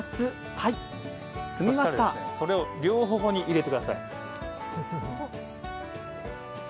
それを両頬に入れてください。